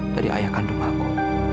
dari ayah kandung aku